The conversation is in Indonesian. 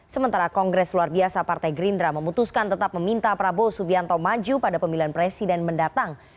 sementara kongres luar biasa partai gerindra memutuskan tetap meminta prabowo subianto maju pada pemilihan presiden mendatang